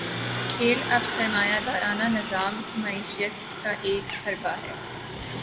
کھیل اب سرمایہ دارانہ نظام معیشت کا ایک حربہ ہے۔